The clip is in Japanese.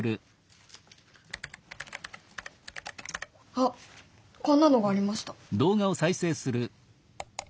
あっこんなのがありました。